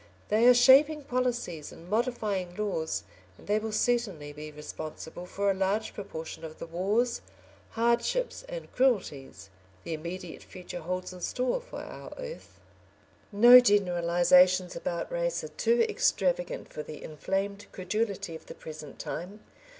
They are shaping policies and modifying laws, and they will certainly be responsible for a large proportion of the wars, hardships, and cruelties the immediate future holds in store for our earth. No generalisations about race are too extravagant for the inflamed credulity of the present time.